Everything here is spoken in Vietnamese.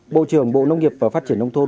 bộ trưởng bộ nông nghiệp và phát triển nông thôn